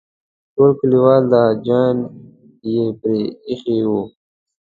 ټول کلیوال حاجیان یې پرې ایښي وو.